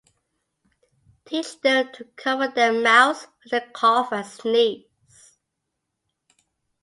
Teach them to cover their mouths when they cough or sneeze.